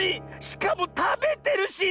しかもたべてるし！